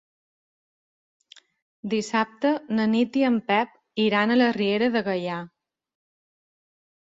Dissabte na Nit i en Pep iran a la Riera de Gaià.